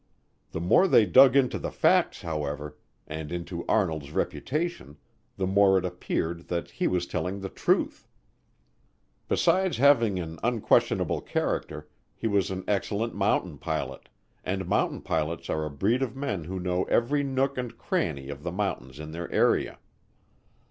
The more they dug into the facts, however, and into Arnold's reputation, the more it appeared that he was telling the truth. Besides having an unquestionable character, he was an excellent mountain pilot, and mountain pilots are a breed of men who know every nook and cranny of the mountains in their area.